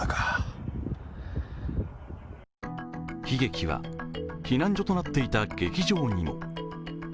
悲劇は避難所となっていた劇場にも。